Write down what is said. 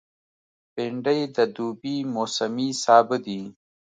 بېنډۍ د دوبي موسمي سابه دی